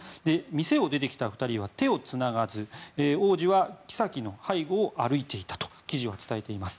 店を出てきた２人は手をつながず王子は妃の背後を歩いていたと記事は伝えています。